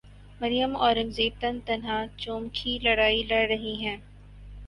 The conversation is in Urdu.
مریم اورنگزیب تن تنہا چو مکھی لڑائی لڑ رہی ہیں۔